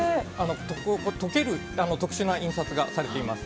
◆溶ける特殊な印刷がされています。